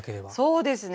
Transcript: そうですね。